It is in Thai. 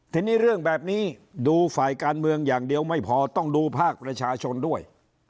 ทีนี้เรื่องแบบนี้ดูฝ่ายการเมืองอย่างเดียวไม่พอต้องดูภาคประชาชนด้วย